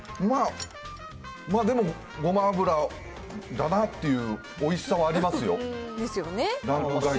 まあ、でも、ごま油だなぁっていう、おいしさはありますよ。ですよね。